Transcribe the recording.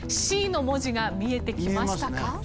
「Ｃ」の文字が見えてきましたか？